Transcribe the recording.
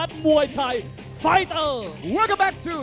สวัสดีครับ